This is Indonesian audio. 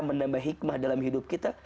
menambah hikmah dalam hidup kita